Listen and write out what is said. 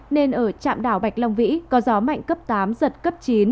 nên ở trạm đảo bạch long vĩ có gió mạnh cấp tám giật cấp chín